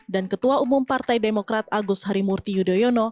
dan ketua umum partai demokrat agus harimurti yudhoyono